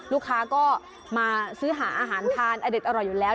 ลูกค้าก็มาซื้อหาอาหารทานอเด็ดอร่อยอยู่แล้ว